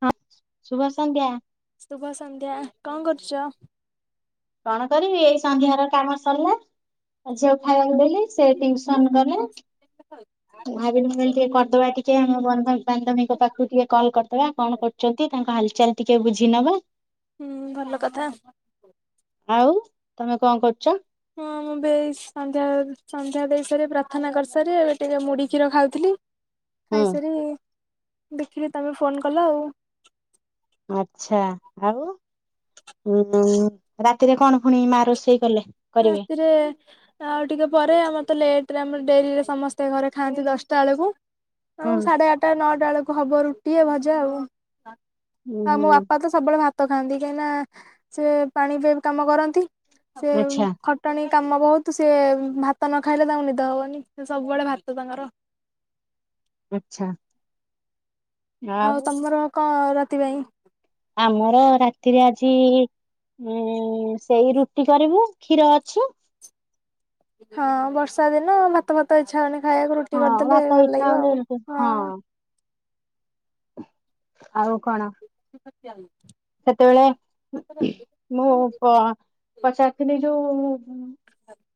[unintelligible] ଶୁଭ ସନ୍ଧ୍ୟା। ଶୁଭ ସନ୍ଧ୍ୟା କଣ କରୁଚ? କଣ କରିବି ଏଇ ସନ୍ଧ୍ୟା ର କାମ ସରିଲା। ଝିଅ ଖାଇବାକୁ ଦେ ଦେଲି। ସେ ଟ୍ୟୁସନ୍ ଗଲା। ମୁଁ ଭାବିଲି ମୁଁ କହିଲି ଟିକେ କରିଦବା ଟିକେ ଆମ ବନ୍ଧ ବାନ୍ଧବୀଙ୍କ ପାଖକୁ ଟିକେ କଲ କରିଦବା କଣ କରୁଚ ତାଙ୍କ ହାଲଚାଲ ଟିକେ ବୁଝି ନବା। ହୁଁ ଭଲ କଥା। ଆଉ, ତମେ କଣ କରୁଚ? ହଁ ମୁଁ ବି ଏଇ ସନ୍ଧ୍ୟା ସନ୍ଧ୍ୟା ଦେଇ ସାରି ପ୍ରାର୍ଥନା କରିସାରେ ଟିକେ ମୁଢ଼ି କ୍ଷୀର ଖାଉଥିଲି। ହୁଁ ଖାଇସାରି, ଦେଖିଲି ତମେ ଫୋନ କଲ ଆଉ। ଆଛା। ଆଉ ଉଁ ହୁଁ, ରାତିରେ କଣ ପୁଣି ମା ରୋଷେଇ କଲେ? କରିବେ ରାତିରେ ଆଉ ଟିକେ ପରେ ଆମର ତ ଲେଟ ରାତିରେ ଆମର ଡେରିରେ ସମସ୍ତେ ଘରେ ଖାଆନ୍ତି ଦଶଟା ବେଳକୁ। ହୁଁ ଆଉ ସାଢ଼େ ଆଠଟା ନଅଟା ବେଳକୁ ହବ ରୁଟି ଆଉ ଭଜା ଆଉ। ଉଁ ଆଉ ମୋ ହୁଁ ବାପା ତ ସବୁବେଳେ ଭାତ ଖାଆନ୍ତି। କାହିଁକିନା ସେ ପାଣିି ପାଇପ୍ କାମ କରନ୍ତି। ସେ ଆଚ୍ଛା ଖଟଣୀ କାମ ବହୁତ। ତ ସିଏ ଭାତ ନ ଖାଇଲେ ତାଙ୍କୁ ନିଦ ହବନି। ସେ ସବୁବେଳେ ଭାତ ତାଙ୍କର। [inaudible] ଆଚ୍ଛା। ଆଉ ତମର କଣ ରାତି ପାଇଁ? ଆମର ରାତିରେ ଆଜି ଉଁ ସେଇ ରୁଟି କରିବୁ କ୍ଷୀର ଅଛି। ହଁ ବର୍ଷା ଦିନ ଭାତ ଫାତ ଇଛା ହଉନି। ଖାଇବାକୁ ରୁଟି ହଁ କରିଦେଲେ ଭାତ ଭଲ ଇଚ୍ଛା ଲାଗିବ ହଉନି ଆଉ ରୁଟି ହଁ। ଆଉ କଣ? [unintelligible] ସେତେବେଳେ ମୁଁ ପ ପଚାରିଥିଲି ଯୋଉ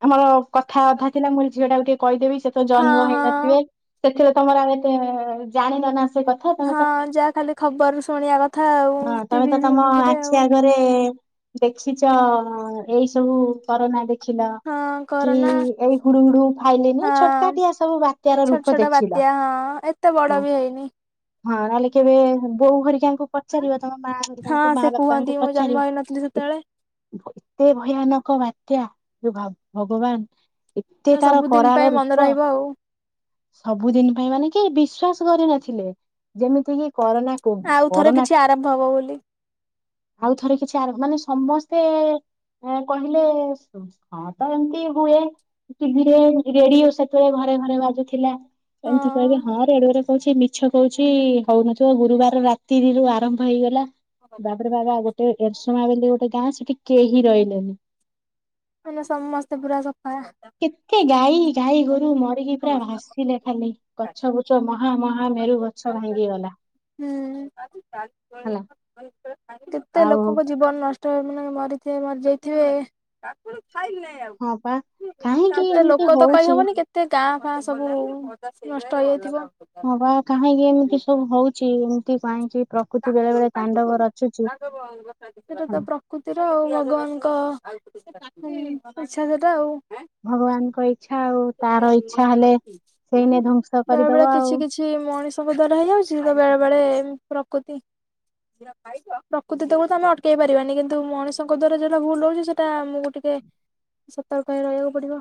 ଆମର କଥା ଅଧା ଥିଲା। ମୁଁ ଝିଅ ଟାକୁ ଟିକେ କହିଦେବି ସେ ତ ହଁ ଜନ୍ମର ହଁ ହେଇନଥିବେ। ସେଥିରେ ତମର ଆଉ ଏତେ ଜାଣିନ ନା। ସେ କଥା ତମେ ହଁ ତ ଯାହା ଖାଲି ଖବର ରେ ଶୁଣିବା କଥା ଆଉ। ତମେ ଟିଭି ତ ତମ ଫିଭିରେ ଆଖି ଆଉ। ଆଗରେ ଦେଖିଚ ଏଇ ସବୁ କରୋନା ରେ ଦେଖିଲ। ହଁ କି କରୋନା ଏଇ ହୁଡୁ ହୁଡୁ, ଫାଇଲିନି ହଁ ଛୋଟକାଠିଆ ସବୁ ବାତ୍ୟ ର ଛୋଟ ରୂପ ଛୋଟ ଦେଖିଲ। ବାତ୍ୟା ହଁ ଏତେ ହଁ ବଡ ବି ହେଇନି। ନହେଲେ କେବେ ବୋଉ ହେରିକାଙ୍କୁ ପଚାରିବ ତମ ମା ହଁ ହେରିକାଙ୍କୁ ମା ସେ ବାପାଙ୍କୁ କୁହନ୍ତି ମୁଁ ଜନ୍ମ ପଚାରିବ। ହେଇନଥିଲି ସେତେବେଳେ ଏତେ ଭୟାନକ ବାତ୍ୟା। ହେ ଭଗବାନ! ଏତେ ତାର ସବୁଦିନ ପାଇଁ କରାଳ ମନେ ରୂପ ରହିବ ଆଉ। ସବୁଦିନ ପାଇଁ ମାନେ କି ବିଶ୍ବାସ କରିନଥିଲେ ଯେମିତି କିି କରୋନା କୋ ଆଉ ଥରେ କରୋନା କିଛି ଆରମ୍ଭ ହବ ବୋଲି ଆଉଥରେ କିଛି ଆର ମାନେ ସମସ୍ତେ କହିଲେ ହଁ ତ ଏମତି ହୁଏ ଟିଭିରେ ରେଡିଓ ସେତେବେଳେ ଘରେ ଘରେ ବାଜୁଥିଲେ ହଁ ଏମିତି କହିବେ ହଁ ରେଡିଓରେ କୋହୁଚି ମିଛ କୋହୁଚି ହୋଉନଥିବ ଗୁରୁବାର ରାତିରୁ ଆରମ୍ଭ ହେଇଗଲା ତାପରେ ବାବା ଗୋଟେ ଏରେସମା ବୋଲି ଗୋଟେ ଗାଁ ଅଛି ସେଠି କେହି ରହିଲେନି। ମାନେ ସମସ୍ତେ ପୁରା ସ କେତେ ଗାଈ ଗାଈ ଗୋରୁ ମରିକି ପୁରା ଭାସିଲେ ଖାଲି ଗଛ ବୁଛ ମହା ମହା ମେରୁ ଗଛ ଭାଙ୍ଗିଗଲା। ହଁ ହେଲା କେତେ ଆଉ ଲୋକଙ୍କ ଜୀବନ ନ ମାନ ମରିଥିବେ ମରିଯାଇଥିବେ। ଖାଇ ଲିନି ଆଉ ହଁ ପା କାହିଁକି କେତେ ଏମିତି ଲୋକ ତ ହଉଛି କହିହବନି କେତେ ଗାଁ ଫାଁ ସବୁ ନଷ୍ଟ ହେଇଥିବ। ହଁ ବା କାହିଁକି ଏମିତି ସବୁ ହୋଉଚି ଏମିତି ପ୍ରକୃତି ବେଳେ ବେଳେ ତାଣ୍ଡବ ରଚୁଛି ସେଟା ତ ହେଲା ପ୍ରକୃତିର ଆଉ ଭଗବାନଙ୍କ ଇଛା ସେଟା ଆଉ ଭଗବାନଙ୍କ ଇଚ୍ଛା ଆଉ ତାର ଇଚ୍ଛା ହେଲେ ସେଇନେ ଧ୍ଵଂସ ବେଳେ କରିଦବ ବେଳେ ଆଉ କିଛି କିଛି ମଣିଷଙ୍କ ଦ୍ଵାରା ହେଇଯାଉଚି, ତ ବେଳେ ବେଳେ ପ୍ରକୃତି ପ୍ରକୃତି ତ ଆମେ ଅଟକେଇ ପାରିବାନି, କିନ୍ତୁ ମଣିଷଙ୍କ ଦ୍ଵାରା ଯୋଉଟା ଭୁଲ ହୋଉଚି ସେଟା ଆମକୁ ଟିକେ ସତର୍କ ହେଇ ରହିବାକୁ ପଡିବ।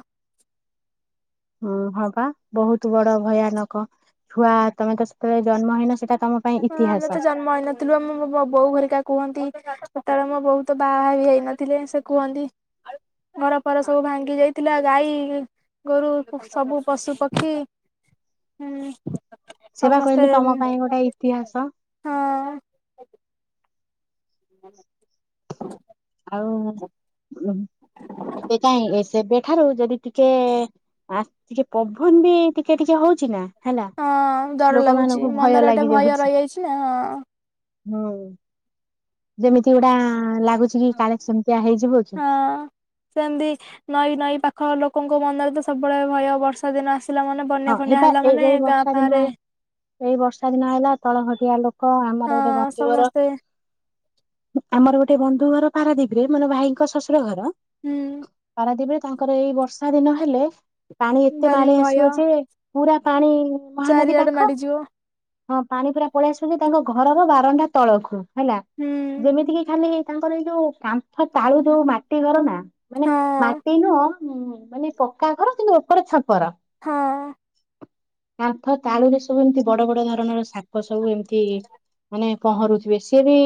ହଁ ହଁପା ବୋହୁତ ବଡ ଭୟାନକ ଛୁଆ ତମେ ତ ସେତେବେଳେ ଜନ୍ମହଇନ ସେଟା ତମ ପାଇଁ ହଁ ଆମେ ଇତିହାସ ତ ଜନ୍ମ ହେଇନଥିଲୁ ଆମ କୁ ମୋ ବୋଉ ହରିକା କୁହନ୍ତି ସେତେବେଳେ ମୋ ବୋଉ ତ ବାହା ବି ହେଇନଥିଲେ ସେ ସେ କୁହନ୍ତି ଘର ଫର ସବୁ ଭାଙ୍ଗି ଯାଇଥିଲା ଗାଈ ଗୋରୁ ସବୁ ପଶୁ ପକ୍ଷୀ ହୁଁ ସେଇବା ସମସ୍ତେ କହିଲି ତମ ପାଇଁ ଗୋଟେ ଇତିହାସ ହଁ ହୁଁ ଆଉ ସେପାଇଁ ସେବେଠାରୁ ଯଦି ଟିକେ ଟିକେ ପବନ ବି ଟିକେ ଟିକେ ହୋଉଚି ନା? ହେଲା ହଁ ଡର ଲାଗୁଛି ଲୋକମାନଙ୍କୁ ଭୟ ମନରେ ଗୋଟେ ଲାଗି ଭୟ ଯାଉଚି। ରହିଯାଇଛି ନା ହଁ ଯେମିତି ଗୋଡା ଲାଗୁଚି କି ହଁ କାଳେ ସେମିତିଆ ହେଇଯିବ କି ହଁ ସେମିତି ନଈ ନଈ ପାଖ ଲୋକଙ୍କ ମନରେ ତ ସବୁବେଳେ ଭୟ ବର୍ଷା ଦିନ ଆସ ହଁ ଏଇ ବା ଏଇ ଏଇ ବର୍ଷା ଦିନ ଏଇ ବର୍ଷା ଦିନ ହେଲା ତଳ ଘଟିଆ ଲୋକ ହଁ ଆମର ଗୋଟେ ବନ୍ଧୁଘର ସମସ୍ତେ ଆମର ଗୋଟେ ବନ୍ଧୁ ଘର ପାରାଦୀପରେ ମାନେ ଭାଇଙ୍କ ଶଶୁର ଘର ହୁଁ। ତାଙ୍କର ଏଇ ବର୍ଷା ଦିନ ହେଲେ ପାଣି ଏତେ ଭାରି ମାଳି ଭୟ ଆସିବ ଯେ ପୁରା ପାଣି ମହାନଦୀ ଚାରିଆଡେ ପାଖ, ମାଡିଯିବ ହଁ ପାଣି ପୁରା ପଳେଇ ଆସୁଛନ୍ତି ତାଙ୍କ ଘରର ବାରଣ୍ଡା ତଳକୁ। ହେଲା ହୁଁ ଯେମିତି କିି ଖାଲି ତାଙ୍କର ଏଇ ଯୋଉ କାନ୍ଥ ଚାଳୁ ଯୋଉ ମାଟି ଘର ନା ମାନେ ହଁ ମାଟି ନୁହ ଉଁ ମାନେ ପକ୍କା ଘର କିନ୍ତୁ ଉପର ଛପର ହଁ କାନ୍ଥ ତାଳୁରେ ସବୁ ଏମିତି ବଡ ବଡ ଧରଣର ଶାପ ସବୁ ଏମିତି ମାନେ ପହଁରୁଥିବେ ସିଏ ବି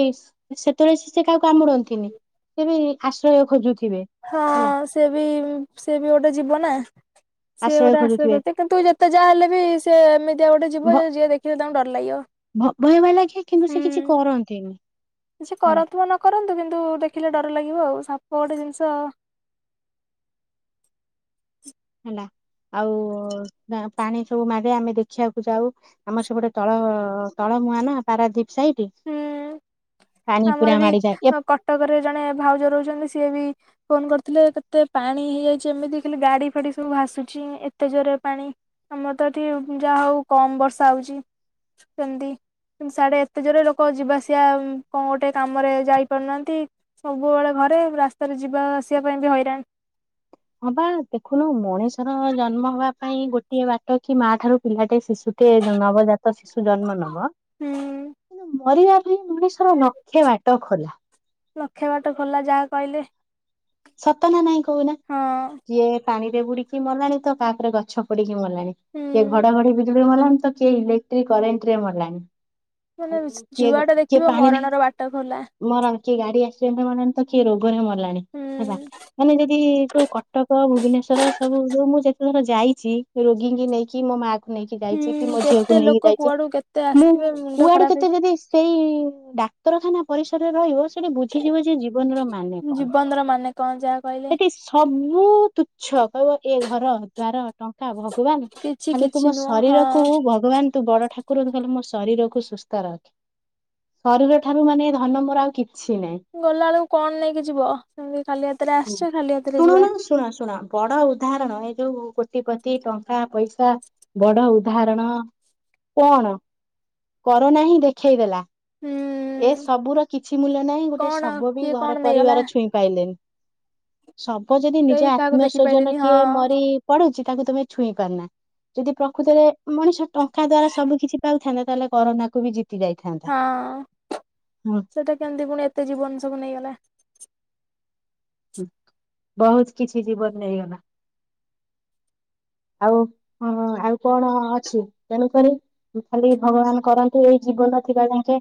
ସେତେବେଳେ ସି ସେ କାହାକୁ କାମୁଡନ୍ତିନି। କେବେ ଆଶ୍ରୟ ଖୋଜୁ ହଁ ସେ ବି ସେ ବି ଗୋଟେ ଯିବ ନା। ସିଏ ଆଶ୍ରୟ ଗୋଟେ ଆଶୟ ଖୋଜୁଥିବେ କରି କିନ୍ତୁ ଯେତେ ଯାହା ହେଲେ ବି ସ ସେଏ ଏମିତିଆଉ ଗୋଟେ ଭ ଯିବ ଯ ଯିଏ ଦେଖିବ ତାଙ୍କୁର ଡରି ଭ ଭୟ ଲାଗେ କିନ୍ତୁ ସେ କିଛି କରନ୍ତି କିଛି କରନ୍ତୁ ବା ନ କରନ୍ତୁ କିନ୍ତୁ ଦେଖିଲେ ଡର ଲାଗ ଆଉ ସପ ଗୋଟେ ଜିନିଷ ଆ ହେଲା। ଆଉ ପାଣି ସବୁ ମାରେ ଆମେ ଦେଖିବାକୁ, ଯାଉ ଆମର ସବ ଗୁଟେ ତଳ ତଳ ମଆ ନା ପାରା ହୁଁ ପୁରା ଆମର ବି ମାଡିଯାଏ ଏ କଟକରେ ଜଣେ ଭାଉଜ ରହୁଛନ୍ତି ସିଏ ବି ଫୋନ କରିଥିଲେ କେତେ ପାଣି ହେଇଯାଇଛି, ଏମିତି ଦେିଲେ ଗାଡି ଫାଡି ସବୁ ଭାସୁଛି ଏତେ ଜୋରରେ ପାଣି ଆମର ତ ଏଠି ଯାହା ହଉ କମ ବର୍ଷା ହଉଛି ସେମିତିତି ସାଢେ ତେ ଜୋରେ ଲୋକ ଯିବା ଆସିବା କଣ ଗୋଟେ କାମ ରେ ଯାଇ ପାରୁନାହାନ୍ତି। ସବୁବେଳେ ଘରେ ରାସ୍ତାରେ ଯିବା ଆସିବା ପାଇଁ ବି ହଇରାଣ ହଁ ବା ଦେଖୁନୁ ମଣିଷର ଜନ୍ମ ହବା ପାଇଁ ଗୋଟିଏ ବାଟ କି ମା ଠାରୁ ପିଲାଟେ ଶିଷୁ ତୁଟେ ନବଜାତ ଶିଶୁ ଜନ୍ମ ନବ ହୁଁ ପରିବାରରେ ମଣିଷର ନକ୍ଷେ ବାଟ ଖୋଲା ଲକ୍ଷ ବାଟ ଖୋଲା ଯାହା କହିଲେ ସତ ନା ନାଇଁ କହୁନା ହଁ କିଏ ପାଣିରେ ବୁଡିକି ମଲାଣି ତ ତାପରେ ଗଛ ପଡିକି ମଲାଣି କିଏ ହୁଁ। ଘଡଘଡି ବିଜୁଳିରେ ମଲାଣି ତ କିଏ ଇଲେକ୍ଟ୍ରିକ କରେଣ୍ଟ ରେ ମଲାଣି ମାନେ ଆଉ କିଏ ଯୁଆଡେ କିଏ ଦେଖିବ ପାଣିରେ ମରଣର ବାଟ ଖୋଲା। ମରଣ କିଏ ଗାଡି ଆକ୍ସିଡେଣ୍ଟ ମରଲାଣି ତ, କିଏ ରୋଗରେ ମରିଲାଣି ହେଲା ହୁଁ ମାନେ ଯଦି ସୋୁ କଟକ ଭୁବନେଶ୍ୱର ର ସବୁ ମୁଁ ଯେତେଥର ଯାଇଛି ରୋଗୀଙ୍କ ନେଇକି ମୋ ମା ନେଇକି ଯାଇଛି କି ହୁଁ ମୋ ଝିଅକୁ କେତେ ନେଇକି ଲୋକ ଯାଇଛି କୁଆଡୁ କେତେ ମୁଁ ଆସିଥିବେ ମୁଣ୍ଡ କୁଆଡୁ ଖରାପ କେତେ ଯଦି ସେଇଡା ଉତରଖାନା ପରିସରରେ ରହିବ, ସେଠି ବୁଝିଯିବ ଯେ ଜୀବନର ମାନ୍ୟେ ହେଇଯିବ। କଣ ଜୀବନର ମାନେ କଣ ଯାହା କହିଲେ ସେଠି ସବୁ ତୁଚ୍ଛ କହିବ ଏ ଘର ଦଵାର ଟଙ୍କ ଭଗବାନ କିଛି ଖାଲି ତୁ କିଛି ମୋ ନୁହଁ ଶରୀର କୁ ହଁ। ଭଗବାନ ତୁ ବଡ ଠାକୁର ଧ କଲେ ମୋ ଶରୀରକୁ ସୁସ୍ଥ ରଖେ ଶରୀର ଠାରୁ ମାନେ ଧନ ମୋର ଆଉ କିଛି ନାହିଁ। ଗଲା ବେଳକୁ କଣ ନେଇକି ଯିବ ସେମିତି ଖାଲି ହାତରେ ହୁଁ ଆସିଛ ଖାଲି ହାତରେ ଯିବା ଶୁଣୁନୁ ଶୁଣ ଶୁଣ ବଡ ଉଦାହରଣ ଯୋଉ କୋଟିପତି ଟଙ୍କା ପଇସା ବଡ ଉଦାହରଣ କଣ କରୋନା ହିଁ ଦେଖେଇ ଦେଲା ଏ ହୁଁ। ସବୁର କିଛି ମୂଲ୍ୟ ନାହିଁ ଗୋଟେ କଣ ଶବୁ ବି କିଏ କଣ ଘର ନେଇଗଲା ପରିବାର ଛୁଇଁ ପାଇଲେନ ସବ ଯଦି ନିଜ କେହି କାହାକୁ ଆତ୍ମ ଦେଖି ସଵଜନ ପାଇଲେନି ହଁ କିଏ ମରି ପଡୁଛି ତାକୁ ତମେ ଛୁଇଁ ପାରୁନା ଯଦି ପ୍ରକୃତରେ ମଣିଷ ଟଙ୍କା ଦ୍ଵାରା ସବୁ କିିଛି ପାଉଥାନ୍ତତା ତାହେଲେ କରୋନା କ ବି ଜିତ ହଁ ହଁ ସେଟା କେମିତି ପୁଣି ଏତେ ଜୀବନ ସବୁ ନେଇଗଲା ବହୁତ କିଛି ଜିବନ ନେଇଗଲା। ଆଉ ହଁ ଆଉ କଣ ଅଛି ତେଣୁକରି ଖାଲି ଭଗବାନ କରନ୍ତୁ ଏଇ ଜୀବନ ଥିବା ଯାକେ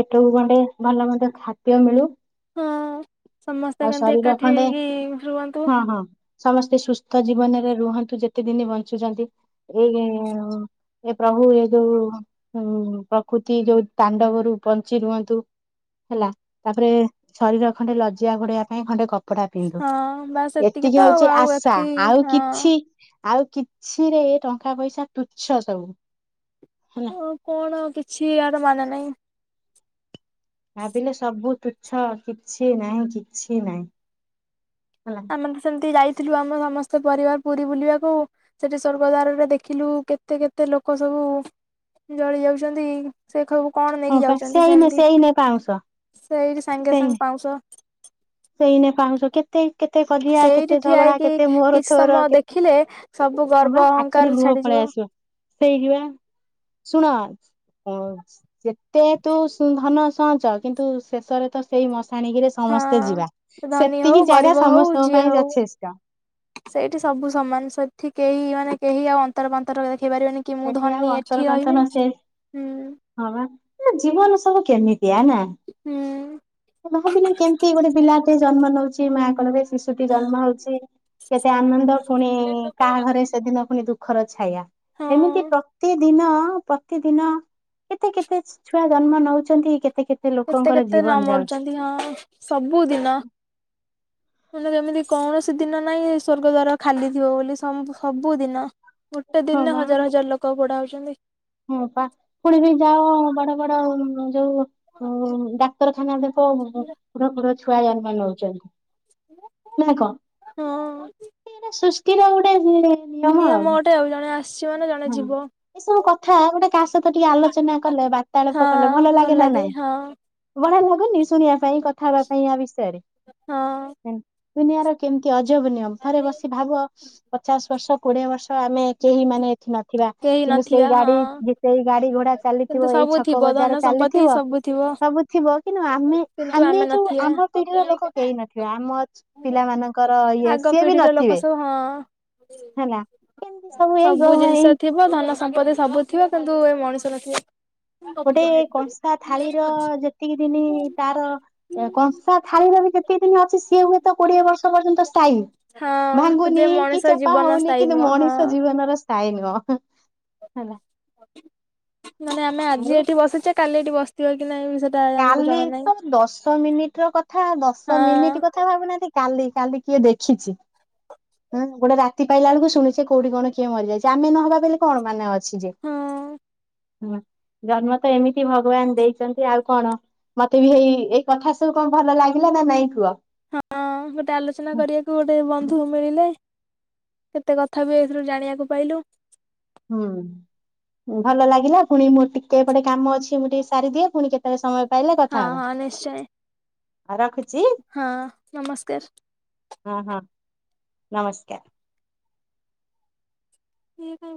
ପେଟକୁ ଗଣ୍ଡେ ଭଲ ମଧ୍ୟ ଖାଦ୍ୟ ମିଳୁ ହଁ ସମସ୍ତେ ଆଉ କେମିତି ଶରୀର ଏକାଠି ସବୁ ହେଇକି ରୁହନ୍ତୁ ହଁ ହଁ ସମସ୍ତେ ସୁସ୍ଥ ରହୁନ୍ତୁ। ତ ଜୀବନରେ ରୁହନ୍ତୁ ଯେତେ ଦିନ ବଞ୍ଚୁଛନ୍ତି ଏଇ ଏ ପ୍ରଭୁ ଏ ଯୋଉ ପ୍ରକୃତି ଯୋଉ ତାଣ୍ଡବରୁ ବଞ୍ଚି ରୁହନ୍ତୁ ହେଲା ତାପରେ ଶରୀର ର ଲଜ୍ୟା ଘୋଡେଇବା ପାଇଁ ଖଣ୍ଡେ କପଡା କପଡା ପିନ୍ଧୁ ହଁ ବାସ୍ ତ ଏତିକି ଆଉ ହଉଛି ଆଉ ଆଶା ଏତି ଆଉ କିଛି ଆଉ କିଛିରେ ଟଙ୍କା ପଇସା ତୁଛ ସବୁ ହେଲା ଆଉ କଣ ଆଉ କିଛି ଏୟାର ମାନେ ନାହିଁ ଛ କିଛି ନାହିଁ କିଛି ନାହିଁ ହେଲା। ଆମେ ତ ସେମିତି ଯାଇ ଥିଲୁ ଆମ ସମସ୍ତେ ପରିବାର ପୁରୀ ବୁଲିବାକୁ ସ୍ୱର୍ଗଦ୍ୱାର ରେ ଦେଖିଲୁ କେତେ କେତେ ଲୋକ ସବୁ ଜଳି ଯାଉଛନ୍ତି ସେ ଖାଉ କଣ ହଁ ନେଇକି ପା ଯାଉଛନ୍ତି ସେଇନେ ସେମିତି ସେଇନେ ପାଉଁଶ ସେଇଠି ସାଙ୍ଗେ ସାଙ୍ଗେ ପାଉଁଶ ସେଇନା ପାଉଁଶ କେତେ କଜିଆ ସେଇଠି କେତେ ଠିଆ ଝଗଡା ହେଇକି କେତେ ମୋର କିଛି ତୋର ସମୟ ଦେଖିଲେ ସବୁ ହଁ ଗର୍ବ ବା ଆଖିରେ ଅହଙ୍କାର ଲୁହ ଛାଡିଯିବ ପଳେଇ ଆସିବା ସେଇ ଯିବା ଶୁଣ ଓ ଯେତେ ତୁ ଧନ ସହଞ୍ଚ କିନ୍ତୁ ଶେଷରେ ତ ସେଇ ମସାଣି ସମସ୍ତେ ଯିବା ହଁ ଧନୀ ହଉ ସେତିକି ଜାଗା ଗରିବ ହଉ ସମସ୍ତଙ୍କ ଯିଏ ପାଇଁ ହଉ ଯଥେଷ୍ଟ ସେଇଠି ସବୁ ସମାନ ସେଠି କେହି ମାନେ କେହି ଆଉ ଅନ୍ତର ପାନ୍ତର ଦେଖେଇ ପାରିବେନି କି ମୁଁ ସେଠି ଆଉ ଧନୀ ଏଠି ଅନ୍ତର ପାନ୍ତନ ରହିବିନି ସେ ହୁଁ ହଁ ବା ସେ ଜୀବନ ସବୁ କେମିତିଆ ନା। ହୁଁ ଭାବିଲେ କେମିତି ଗୋଟେ ପିଲାଟିଏ ଜନ୍ମ ନଉଛି ମା କୋଳରେ ଶିଶୁଟି ଜନ୍ମ ହଉଛି। କେତେ ଆନନ୍ଦ ପୁଣି କାହା ଘରେ ସେଦିନ ପୁଣି ଦୁଃଖର ଛାୟା ଏମିତି ହଁ ପ୍ରତି ଦିନ ପ୍ରତିଦିନ କେତେ କେତେ ଛୁଆ ଜନ୍ମ ନଉଛନ୍ତି କେ କେତେ କେତେ ଲୋକଙ୍କର ଜୀବନ ଯାଉ ତନ୍ଦିଅ ସବୁଦିନ। ଏମିତି କୌଣସି ଦିନ ନାହିଁ ସ୍ୱର୍ଗ ଦ୍ଵାର ଖାଲି ଥିବ ବୋଲି ସମ୍ ସବୁ ଦିନ। ଗୋଟେ ହଁ ଦିନରେ ବା ହଜାର ହଜାର ଲୋକ ପୋଡା ହଉଛନ୍ତି। ହଁ ପା ପୁଣି ବି ଯାଅ ବଡ ବଡ ଯୋଉ ଡାକ୍ତରଖାନାରେ ଦେଖିବା ପୁର ପୁର ଛୁଆ ଜନ୍ମ ନଉଛନ୍ତି। ନା କଣ ହଁ ସୁଷ୍ଟି ର ଗୋଟେ ନି ନିୟମ ଆଉ ଗୋଟେ ଜଣେ ଆସିଛି ମାନେ ଜଣେ ହୁଁ ଯିବ ଏସବୁ କ ଗୋଟେ କାହା ସହିତ ଟିକେ ଆଲୋଚନା କଲେ ହଁ ବାର୍ତ୍ତାଳାପ କଲେ ଭଲ ଲାଗେ ନା ନାଇଁ ବଢିଆ ଲାଗୁନି। ଶୁଣିବା ପାଇଁ କଥା ହେବା ପାଇଁ ଆ ବିଷୟରେ। ହଁ ଦୁନିଆର କେମିତି ଅଜବ ନିୟମ ଥରେ ବସି ଭାବ ପଚାଶ ବର୍ଷ କୋଡିଏ ବର୍ଷ ଆମେ କେହି ମାନେ ଏଠି ନଥିବା କେହି କିନ୍ତୁ ସେଇ ନଥିବା ହଁ ଗାଡି ସେଇ ଗାଡି ଘୋଡା କିନ୍ତୁ ଚାଲିଥିବ ଏଇ ସବୁ ଛକ ଥିବ ବଜାର ଧନ ସମ୍ପତ୍ତି ଚାଲିଥିବ ସବୁ ଥିବ ସବୁ ଥିବ କିନ୍ତୁ ଆମେ କିନ୍ତୁ ଆମେ ଯୋଉ ନଥିବା ଆମ ପିଢିର ଲୋକ କେହି ନଥିବେ ଆମ ପିଲା ମାନଙ୍କର ଇଏ ଆଗ ସିଏ ବି ପିଢିର ଲୋକ ନଥିବେ। ସବୁ ହଁ ହେଲା ଏମିତି ସବୁ ଏଇ କର ଜିନିଷ ଏଇ ଥିବ ଧନ ସମ୍ପତ୍ତି ସବୁ ଥିବ କିନ୍ତୁ ଏ ମଣିଷ ନଥିବ। ଗୋଟେ କଂସା ଥାଳିର ଯେତିକି ଦିନି ତାର କଂସା ଥାଳିର ବି ସେତେ ଦିନ ଅଛି ସିଏ ହୁଏତ କୋଡିଏ ବର୍ଷ ପର୍ଯ୍ୟନ୍ତ ସ୍ଥାଇ। ହଁ କିନ୍ତୁ ଭାଙ୍ଗୁନି ଏ କି ମଣିଷ ଚେପା ଜୀବନ ହଉନି ସ୍ଥାୟୀ କିନ୍ତୁ ନୁହଁ ହଁ ମଣିଷ ଜୀବନର ସ୍ଥାୟୀ ନୁହଁ। ହେଲା। ମାନେ ଆମେ ଆଜି ଆଉ ଏଠି ବସଛେ କାଲି ଏଠି ବସିଥିବ କି ନାଇଁ ସେଟା ଆମକୁ କାଲି ଜଣା ନାହିଁ ତ ଦଶ ମିନିଟ ର କଥା ଦଶ ହଁ ମିନିଟ କଥା ଭାବୁନାହାନ୍ତି କାଲି କାଲି କିଏ ଦେଖିଛି? ହୁଁ ଗୋଟେ ରାତି ପାଇଲା ବେଳକୁ ଶୁଣିଛେ କୋଉଠି କଣ କିଏ ମରିଯାଇଛି ଆମେ ନହବା ବୋଲି କଣ ମାନେ ଅଛି ଯେ। ହଁ। ହୁଁ ଜନ୍ମ ତ ଏମିତି ଭଗବାନ ଦେଇଛନ୍ତି ଆଉ କଣ ମତେ ବି ହେଇ ଏଇ କଥା ସବୁ କଣ ଭଲ ଲାଗିଲା ନା ନାଇଁ କୁହ? ହଁ। ଗୋଟେ ଆଲୋଚନା କରିବାକୁ ଗୋଟେ ବନ୍ଧୁ ମିଳିଲେ। କେତେ କଥା ବି ଏଥିରୁ ଜାଣିବାକୁ ପାଇଲୁ। ହୁଁ। ଭଲ ଲାଗିଲା ପୁଣି ମୋର ଟିକେ ଏପଟେ କାମ ଅଛି ମୁଁ ଟିକେ ସାରିଦିଏ ପୁଣି କେତେବେଳେ ସମୟ ପାଇଲେ ହଁ କଥା ହଁ ହବା। ନିଶ୍ଚୟ। ରଖୁଛି ହଁ, ନମସ୍କାର। ହଁ ହଁ, ନମସ୍କାର। ହିନୁ